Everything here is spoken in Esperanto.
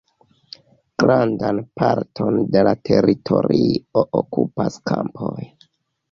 Grandan parton de la teritorio okupas kampoj.